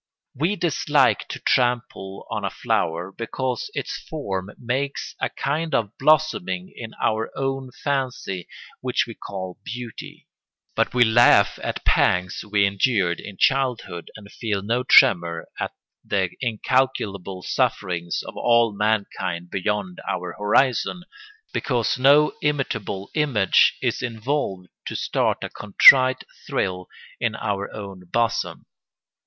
We dislike to trample on a flower, because its form makes a kind of blossoming in our own fancy which we call beauty; but we laugh at pangs we endured in childhood and feel no tremor at the incalculable sufferings of all mankind beyond our horizon, because no imitable image is involved to start a contrite thrill in our own bosom.